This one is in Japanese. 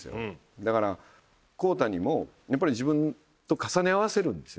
だから孝太にも自分と重ね合わせるんですよ